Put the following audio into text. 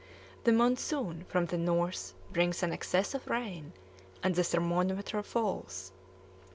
The monsoon from the north brings an excess of rain, and the thermometer falls.